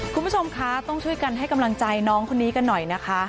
คุณผู้ชมคะต้องช่วยกันให้กำลังใจน้องคนนี้กันหน่อยนะคะ